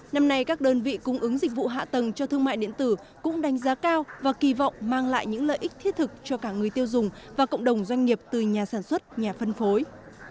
năm nay các đơn vị cung ứng dịch vụ hạ tầng cho thương mại điện tử cũng đánh giá cao và kỳ vọng mang lại những lợi ích thiết thực cho cả người tiêu dùng và cộng đồng doanh nghiệp từ nhà sản xuất nhà phân phối